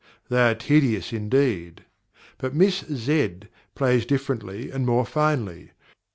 they are tedious indeed! "But Miss Z. plays differently and more finely."